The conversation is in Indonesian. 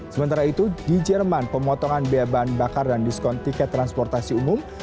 sementara itu di jerman pemotongan biaya bahan bakar dan diskon tiket transportasi umum